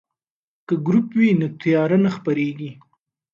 که ګروپ وي نو تیاره نه خپریږي.